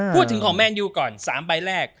พูดถึงของแมนยูก่อน๓ใบแรก